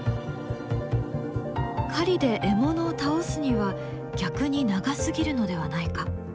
狩りで獲物を倒すには逆に長すぎるのではないか？